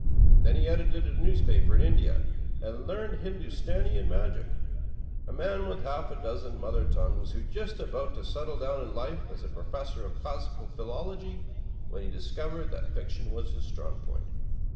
Then he edited a newspa per in India, and learned Hindustani and magic. A man with half a dozen mother tongues, who was just about to settle down in life as a professor of classical philology, when he discovered that fiction was his strong point.